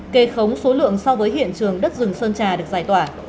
kê khống số lượng so với hiện trường đất rừng sơn trà được giải tỏa